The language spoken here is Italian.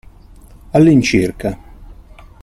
All'incirca.